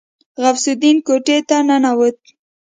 غوث الدين کوټې ته ننوت.